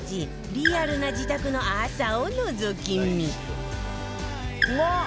リアルな自宅の朝をのぞき見